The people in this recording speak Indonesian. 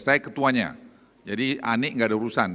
saya ketuanya jadi anik gak ada urusan